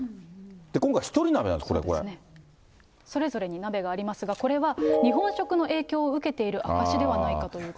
今回、それぞれに鍋がありますが、これは日本食の影響を受けている証しではないかということです。